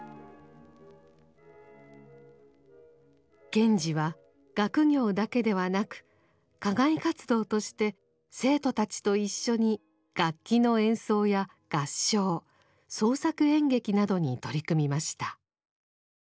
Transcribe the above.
賢治は学業だけではなく課外活動として生徒たちと一緒に楽器の演奏や合唱創作演劇などに取り組みました。